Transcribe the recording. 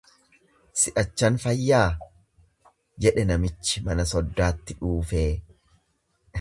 """Si'achan fayyaa"" jedhe namichi mana soddaatti dhuufee."